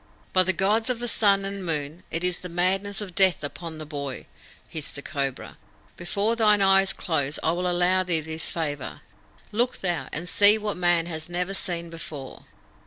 "By the Gods of the Sun and Moon, it is the madness of death upon the boy!" hissed the Cobra. "Before thine eyes close I will allow thee this favour. Look thou, and see what man has never seen before!"